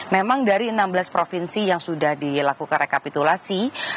memang dari enam belas provinsi yang sudah dilakukan rekapitulasi